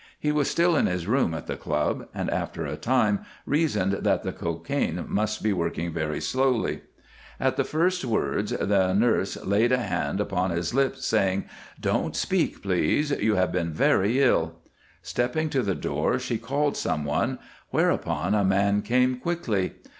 He was still in his room at the club, and after a time reasoned that the cocaine must be working very slowly. At the first words the nurse laid a hand upon his lips, saying: "Don't speak, please. You have been very ill." Stepping to the door, she called some one, whereupon a man came quickly.